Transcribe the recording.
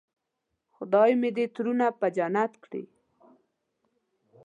خدای مې دې ترونه په جنت کړي.